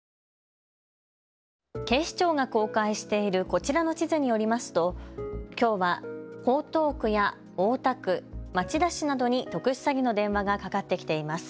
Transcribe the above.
警視庁が公開しているこちらの地図によりますときょうは江東区や大田区、町田市などに特殊詐欺の電話がかかってきています。